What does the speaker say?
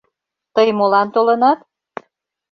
Тый молан толынат?